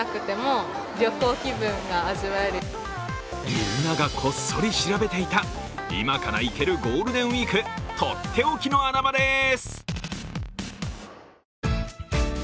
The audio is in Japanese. みんながこっそり調べていた今から行けるゴールデンウイークとっておきの穴場です。